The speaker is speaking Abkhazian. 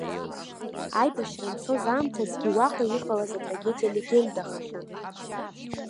Аибашьра анцоз аамҭазгьы уаҟа иҟалаз атрагедиа легендахахьан.